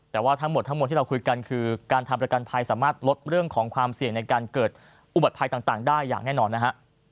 แต่ว่าทั้งหมดทั้งหมดที่เราคุยกันคือการทำประกันภัยสามารถลดเรื่องของความเสี่ยงในการเกิดอุบัติภัยต่างได้อย่างแน่นอนนะฮะ